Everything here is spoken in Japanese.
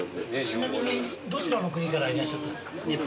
ちなみにどちらの国からいらっしゃったんですか？